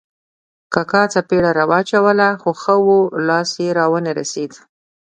کاکا څپېړه را واچوله خو ښه وو، لاس یې را و نه رسېد.